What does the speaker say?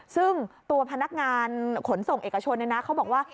ซึ่งตัวพนักงานขนส่งเอกชนเขาบอกว่า